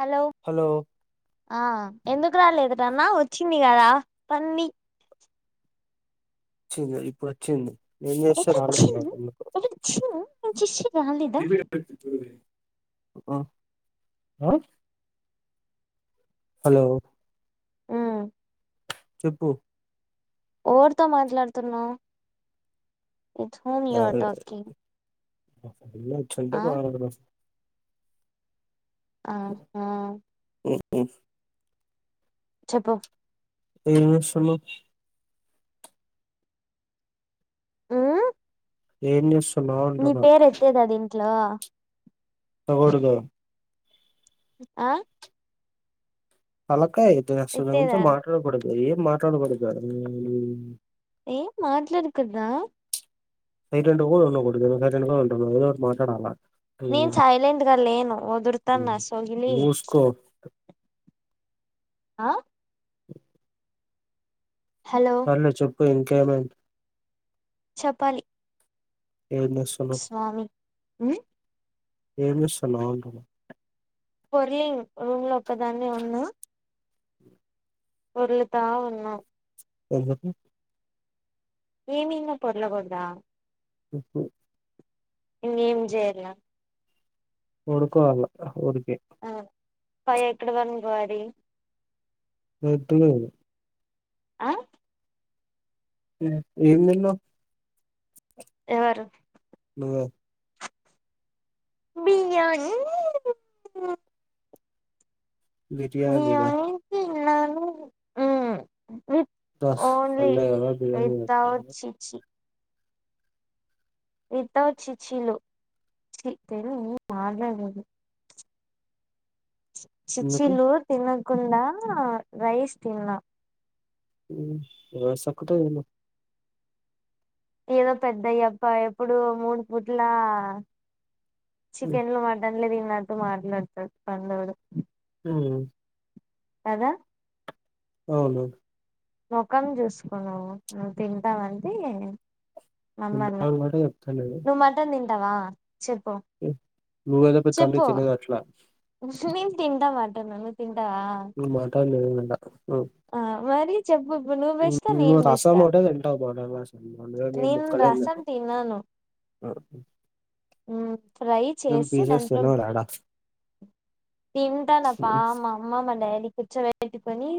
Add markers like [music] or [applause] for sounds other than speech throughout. Hello ఆ ఎందుకు రాలాలేదూరాన వచ్చి ప కాదా పంది చుపురి వచ్చింది ఏం చేస్తున్నారు ఎప్పుడొచ్చింది ఎప్పుడొచ్చింది నేను చేసి రాలేదా ఆ ఆ హలో ఉమ్ చెప్పు ఓవరితో మాట్లాడుతున్నావు it home you are talking a వచ్చంటే ఆ బగర్ ఆహా ఫ్ చెప్పు ఏం చేస్తున్నావ్ ఉ ఏది తిస్ నీ పేరు ఎత్తేది అది ఇంట్లో ఎత్తకూడదు ఆ [unintelligible] ఎత్తేదా మాట్లాడకడదు ఏం మాట్లాడకడదు ఏం మాట్లాడు కూడద సైలెంట్ కూడా వుండుకుడదు [unintelligible] కూడా ఏదోటి మాలాడాల నన్ సైలెంట్ గలేను ఓదుర్తాన్నా ఉమ్. సోగిలి మూసుకో ఆ హలో సర్లే చెప్పు ఇంకా ఏమైన చెప్పాలి ఏం చేస్తున్నావ్ స్వామి ఏంచేస్తవ్ అంటున్న పొర్లింగ్ రూమ్ లో ఒకదాన్నే ఉన్నా పొర్లుతా ఉన్న ఎందుకు ఏమి [unintelligible] పొర్ల కుడద ఉహు ఇంగ ఏం చేయల పడుకొల [unintelligible] [unintelligible] పొయ్యి ఎక్కడ పడుకోవాలి [unintelligible] ఆ ఎం ఎం తిన్నవ్ ఎవరు నువ్వే బిర్యానీ బిర్యాని న బియ్యాన్ని తిన్నాను మ్ విత్ ఓన్లీ [unintelligible] బిర్యానీ వితౌట్ చిచి వితౌట్ చిచీలు [unintelligible] ఎందుకు చిప్సిల్లు తినకుండా రైస్ తిన్న రైస్ ఒక్కటే తిను ఏదో పెద్దయ్య ఈ యప్ప ఎప్పుడు మూడు పూట్ల ఉమ్, చికెన్లు మటన్లు దీన్నటు మాట్లాడతాడు పందోడు హు కదా అవును ముఖం చూసుకో నువ్వు నువ్వు తింటవు అంటే నమ్మల తింటాను కాబట్టి చెప్తాలేను నువ్వు మటన్ తింటావా చెప్పు నువ్వేదో పెద్ద అన్ని చెప్పు తినదు అట్లా [unintelligible] తింటా మటన్ [unintelligible] నువ్ మాట్లాడ [unintelligible] ఆ మరి చెప్పు చెప్పు నువ్వు బెస్ట నువ్వు నేను బెస్ట రసం ఒకటే తింటావు మటన్ రసం మేము నేను ముక్కలేం రసం తినం తినను ఉమ్, ఫ్రై మేము చేసి పీసెస్ దాంట్లో తినం యాడ తింటాను అప్ప మా అమ్మ మా డాడీ కూర్చోబెట్టుకొని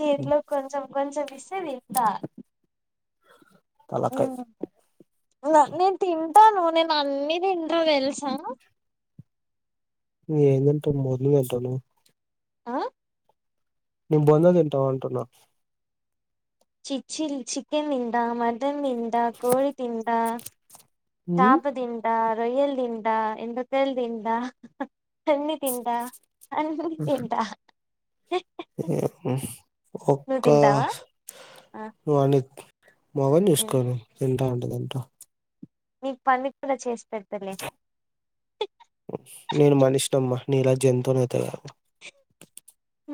చేతిలో కొంచెం కొంచెం తినిపిస్తే తింటా తలకాయ్ ఉమ్ లా నేన్ తిన్ టాను నేను అన్ని తింటాను తెలుసా ఏం తింటావ్ మోర్లి అసలు ఆ ని బొంద తింటావంటున్నా చిచ్చి ల్ చికెన్ తింటా మట్టన్ తింటా కోడి తింటా ఉమ్, చాప దింటా రొయ్యల్ దింట ఎండకాయల్ తింట పంది తింటా అన్నీ తింటా నువ్వు ఒక్క తింటావా ఆ వాని మగం చూసుకోని తింట ఉంటదంటా నీకు పంది కూరా చేసి పెడతలే నేను మనిషి నమ్మా నీలా జంతువునైతే కాదు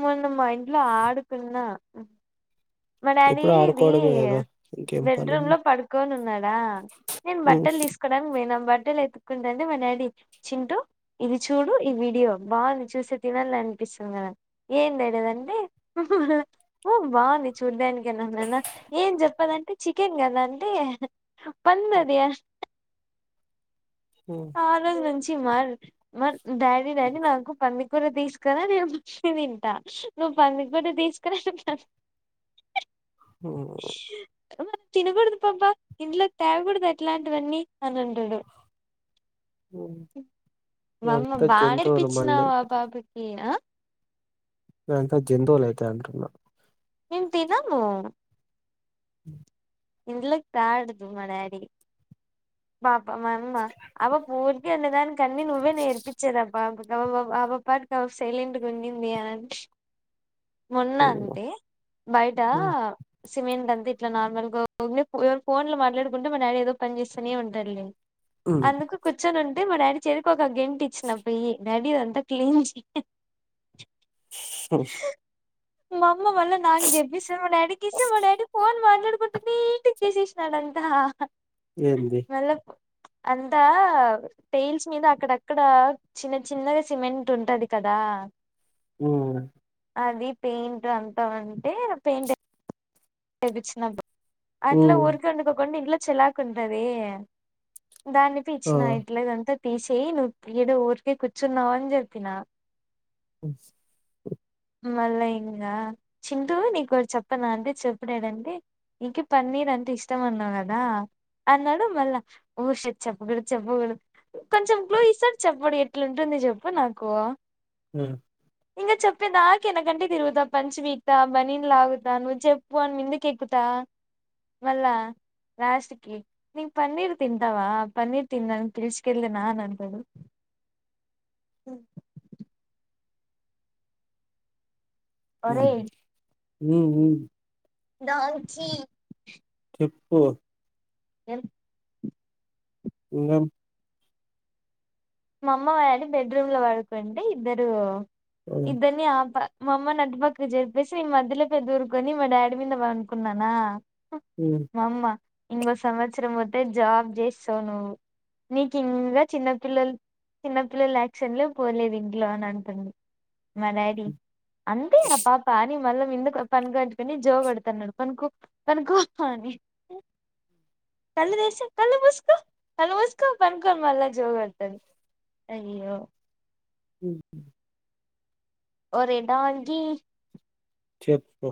మూన్న మా ఇంట్లో ఆడుకున్నా మా డాడీ ఎప్పుడు ఇది ఆడుకోవడమే కదా ఇంకేం బెడ్రూమ్ పనుంది లో పడుకోని ఉన్నాడా నేను బట్టలు తీసుకోడానికి బోయిన బట్ ఎతుకుంటాంటె మా డాడీ చింటూ ఇది చూడు ఈ వీడియో బాగుంది చూసే తినాలి అనిపిం కద ఏం డాడీ అదంటే ఉమ్ బాగుంది చూడ్డానికి అన్నాన ఏం చెప్పదన్ చికెన్ గద అంటె పందది ఆ రోజు నుంచి మర్ మర్ డాడీ డాడీ నాకు పంది కూడా తీసుకురా నేను ముచ్చి తింటా నువ్వు పంది కూర తీసుకునిరా ఓ తినకూడదు పాప ఇంట్లో కి తేకూడదు అట్లాంటివన్నీ అని అంటాడు మమ్మ మేమంతా బాగా జంతువులు మళ్ళీ నేర్పించినావ్ ఆ పాపకి ఆ నువ్ అయితే జంతువులు అయితే అంటున్నా మేము తినము అ ఇంలకి తాడు మా డాడీ పాపం మా అమ్మ అవ పూర్ అనే దానికి అన్నీ నువ్వే నేేర్పించేది అబ్బా ఆ పాప ఆ పాపపాటికి సైలెంట్క ఉన్నింది అని అన్ ట మొన్న ఉమ్, అంతే బయట ఉమ్, సిమెంట్ అంతే ఇట్లా నార్మల్గా ఎవరు ఫోన్ లో మాట్లాడుకుంటే మా డాడీ ఏదో పని చేేస్తానే ఉంటారు లే ఉమ్. అందుకు కూర్చొని ఉంటే మా డాడీ చెరికి ఒక గెంట్ ఇచ్చిన పోయి డాడీ ఇదంతా క్లీన్ చేయ్ మా అమ్మ మల్ళా నాకు జెప్పిస్తే మా డాడీకి ఇస్సే మా డాడీ ఫోన్ మాట్లాడు కున్ నీట్ గ చేసిష్నాడంతా ఏంది అంతా టైల్స్ మీద అక్కడక్కడ చిన్న చిన్నగా సిమెంట్ ఉంటది కదా ఆ ఉమ్ అది పెయింట్ అంతా అంటే పెయింట్ వేపిచ్చినా అట్లా ఉమ్, ఉరికా ఉండకోకుండా ఇంట్లొ చెలాకు ఉంటది దాన్ని ఆ, పిచ్చిన ఇట్ల ఇదంతా తీసేయి నువ్వు పీడ ఊరికే కూర్చున్నావ ని చెప్పిన అ మళ్ళ ఇంగా చింటూ నీకోటి చెప్పన అంటే చెప్ డాడీ అంటే నీకి పన్నీర్ అంటె ఇష్టం అన్నావు కదా అన్నాడు మళ్ళా ఓ షట్ చెప్పకూడదు చెప్పకూడదు కొంచెం క్లూ ఇస్తే చెప్పడు ఎట్లాంటుంది నువ్వు చెప్పు నాకు హ ఇంకా చెప్పేదాకా ఎనకంటే తిరుగుతా పంచ పీకుతా బనీన్ లాగుతాను చె పోన్ ఎందుకు ఎక్కుతా వళ్ళ రాలాస్ట్కి నంగ్ పన్నీర్ తింతవా పన్నీర్ తిందం తెల్సుకెల్ద నాన్ అంటడు అ ఒరేయ్ అ దావచ్చి ఏప్పు ఏం ఈగం మా అమ్మ వాడి బెడ్రూమ్ లో పడుకుంటే ఇద్దరు ఆ, ఇద్దరిని ఆప మా అమ్మ నటుపక్క జరపేసి ఈ మధ్యలో పెద్ద దొరుకుని మా డాడీ మీద పానుకున్నానా ఉమ్, మా అమ్మ ఇంకో సంవత్సరం వతే జాబ్ చేస్తావు నువ్వు నీకు ఇంకా చిన్నపిల్లలు చిన్నపిల్లలు ల్యాక్క్షన్లే పోలేదు ఇంట్లో అని అంటుంది మా డాడీ అంతేనా పాప అని మళ్ళీ మీందుకు పను కట్టుకుని జో కొడుతున్నాడు పనుకు పనుకోని కళ్ళ దేశ కళ్ళు ముస్కు కళ్ ముస్కు పంకొ మళ్ళ జోగడతది అయ్యో ఓహో ఓరెంటా వానికి చెప్పు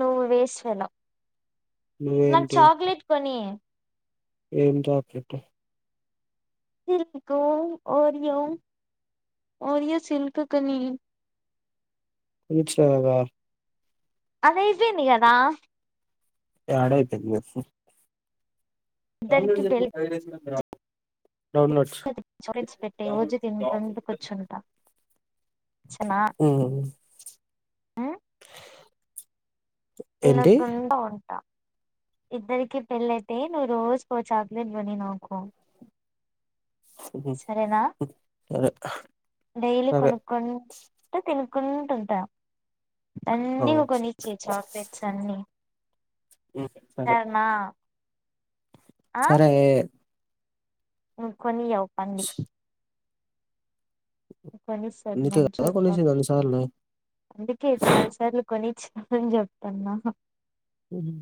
నువ్వు వేస్ట్ ఫెలో నాకు నువ్వేంటి చాక్లెట్ కొని ఏం చాక్లెట్ సల్కు ఓరియో ఓరియో సల్క్ కొని ఈట్డ్స్ ఎలాగా ఆది అయిపోయింది కదా యాడ అయిపోయింది చెప్పు ఇద్దరికి డౌన్లోడ్ [unintelligible] డౌన్లోడ్స్ చకెట్స్ పెట్టి రోజు తినుకంటకొచుంటా వచ్చిన ఉమ్ ఏంటి తినకుడా ఉంటా ఇద్దరికి పెళ్ళైతే నువ్వు రోజు పో చాక్లెట్ కోనేయి నాకు సరేనా అరే డైలీ కొనుకు తి కుంటుంటా ఆ అన్నీ ఒక నిచ్చి చాక్లెట్స్ అన్ని ఉమ్, సరే సరనా సరే ఏ నువ్వు కొనియ్యవు పంది కొనిస్తడు నీకే కదా మంచోడు పా కొనేసింది అన్నిసార్లు అందుకే చాలా సార్లు కొనిచ్ ఆహా నేను చెప్పనా మ్ హు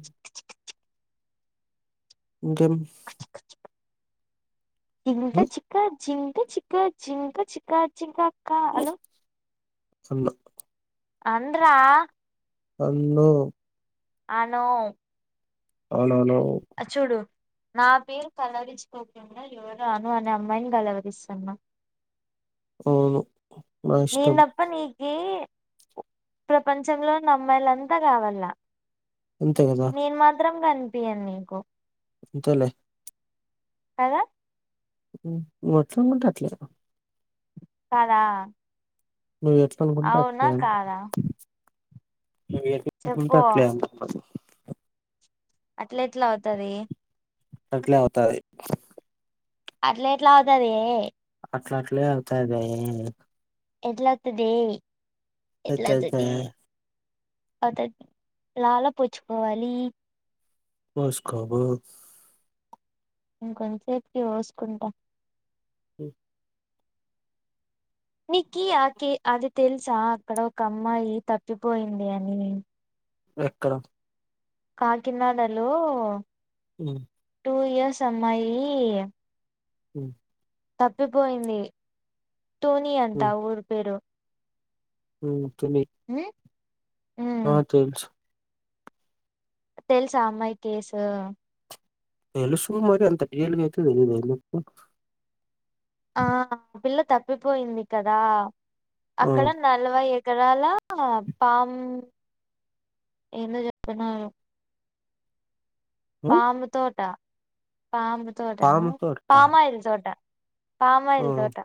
ఇకెం జింక చిక జింక చిక జింక చిక జికాక అను అన్న ఆండ్ర అన్ను అను అనను చూడు నా పేరు కలవరించుకోకుండా ఎవరో అను అనే అమ్మాయిని కలవరిస్తన్నావ్ అవును నా నేను ఇష్టం తప్ప నీకి ప్రపంచంలో ఉన్న అమ్మాయిలంతా కావాల అంతే గదా మాత్రం గనిపియ్యను నీకు అంతేలే కదా నువ్వెట్ల అనుకుంటే అట్లే రా కాదా నువ్వు ఎట్లా అనుకుంటే అవునా అట్లే అంటున్న కాదా నువ్వెట్ల అనుకుంటే చెప్పు అట్లే అంటున్న అట్ల ఎట్లా అవుతది అట్లే అవుతాది అట్లే ఎట్లా అవుతది అట్లా అట్లే అవుతాది బె ఎట్లావుతది అయితయితే ఎట్లావుతది అవుతది లాల పొచుకోవాలి పోసుకో బో నేను కొంతసేపుకి పోసుకుంటా ఉ నీకి ఆకే అది తెలుసా అక్కడ ఒక అమ్మాయి తప్పిపోయింది అని ఎక్కడ కాకినాడ లో మ్ టూ ఇయర్స్ అమ్మాయి మ్ తప్పిపోయింది తుని అంట ఆ ఊరి పేరు మ్ తుని ఉమ్ ఉమ్ ఆ తెలుసు తెలుసా ఆ అమ్మాయి కేసు తెలుసు మరి అంత డియల్ గా అయితే తెలీదు ఎందుకు ఆ ఆ పిల్ల తప్పిపోయింది కదా ఆ! అక్కడ నలభైఐ ఎకరాల పామ్ ఏందో చెప్తున్నారు హ్మ్. పాము తోట పాము తోటనా పాము తోటా? పామయిల్ తోట ఆ! పామయిల్ తోట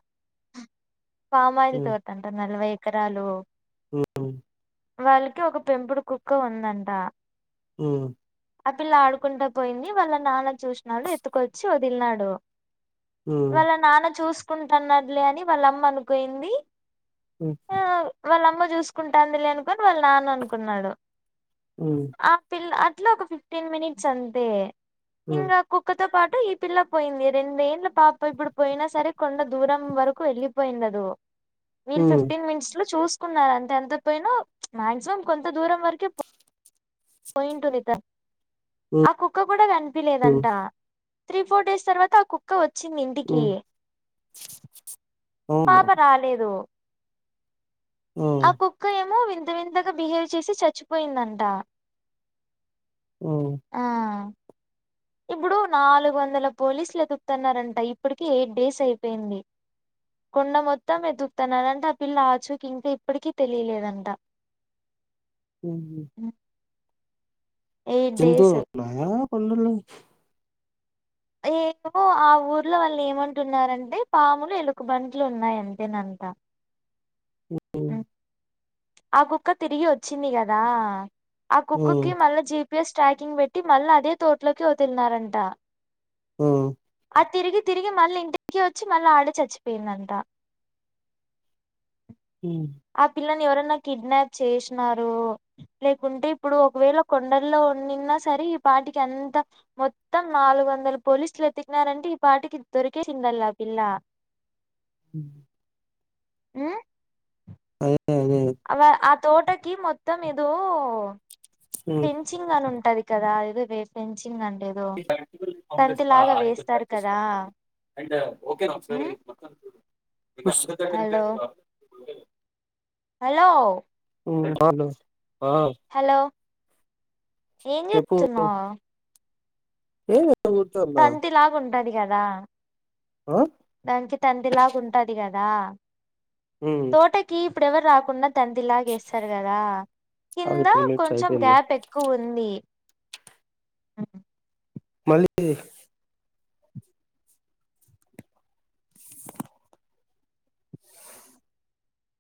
పామాయిల్ తోటంటా నలభై ఎకరాలు మ్ వాళ్ళకి ఒక పెంపుడు కుక్క ఉందంట ఆ ఆ పిల్ల ఆడుకుంటూ పోయింది వాళ్ళ నాన్న చూసినాడు ఎత్తుకొచ్చి వదిలినాడు హ్మ్. వాళ్ళ నాన్న చూసుకుంటున్నలే అని వాళ్ళ అమ్మ అనుకోయింది హ్ ఆ వాళ్ళ అమ్మ చూసుకుంటాందిలి అనుకుని వాళ్ళ నాన్న అనుకున్నాడు హ్మ్. ఆ పిల్ల ఇట్లా ఒక ఫిఫ్టీన్ మినిట్స్ అంతే హ్మ్. ఇంకా కుక్కతో పాటు ఈ పిల్ల పోయింది రెండేళ్ళ పాప ఇప్పుడు పోయినా సరే కొండ దూరం వరకు వెళ్ళలిపోయిండదు వీళ్ళు హ్మ్. ఫిఫ్టీన్ మినిట్స్లో చూ కున్నారు అంతే ఎంత పోయిన మాక్సిమం కొంత దూరం వరకే పోయింటుదట హ్మ్. ఆ కుక్క కూడా హ్మ్. కనిపిలేదంట త్రీ ఫోర్ డేస్ తర్వాత ఆ కుక్క వచ్చింది ఇంటికి హ్మ్. అవును. పాప రాలేదు ఆ కుక్క ఏమో వింత వింతగా బిహేవ్ చేసి చచ్చిపోయిందంట అ ఆ ఇప్పుడు నాలుగు వందల పోలీసులు ఎతుకుతున్నారంట ఇప్పటిక ఎయిట్ డేస్ అయిపోయింది కొండ మొత్తం ఎదుకుతున్నారంట ఆ పిల్ల ఆచూకి ఇంకా ఇప్పటికీ తెలియలేదంట హ హ్మ్ ఎయిట్ డేస్ చెంతోూరున్నాయా పండల ఏవో ఆ ఊర్లో వాళ్ళు ఏమంటున్నారంటే పాములు ఎలుగా బంటులు ఉన్నాయి అంతేనందు ంట హ్మ్. ఆ కుక్క తిరిగి వచ్చింది కదా ఆ కుక్కకి మళ్ళా జీపీఎస్ ట్రాకింగ్ పెట్టి మళ్ళీ అదే తోట్లోకి వతులిన్నారంట ఆ! తిరిగి తిరిగి మళ్ళీ ఇంటికి వచ్చి మళ్ళీ ఆడ చచ్చిపోయిందంట హ్మ్ ఆ పిల్లని ఎవరన్నా కిడ్నాప్ చేసినరో లేకుంటే ఇప్పుడు ఒకవేళ కొండల్లో ఉ సరే ఈ పాటికి అంత మొత్తం నాలుగు వందలు పోలీసులు ఎతికినారంటే ఈ పాటికి దొరికే చెంద గ పిల్ల హ్ ఆ అ ఆదేలే అవ తోటకి మొత్తం ఇదో హ్మ్. పెంచింగ్ అని ఉంట ఉట్టది కదా ఏదో పెంచింగ్ అంట ఏదో బంతి లాగా వేస్తారు కదా అండ్ ఓకే నాక్ర్ హ్మ్ మొత్తం హలో [unintelligible] హలో ఏం కార్లు హలో ఏం చేస్తున్నావ్ ఎంలే కూర్చునా తంతిలాగా ఉంటది కదా దానికి తందిలాగా ఉంటది కదా హ్మ్. తోటకి ఇప్పుడెవరు రాకుండా తందిరిలాగ వేస్తారు కదా ఆగు కింద మినిట్స్ కొంచెం అయిపోయింది. గ్యాప్ ఎక్కువ ఉంది ఆ మళ్ళీ